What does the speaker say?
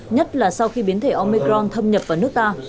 nhất là sau khi biến thể omecron thâm nhập vào nước ta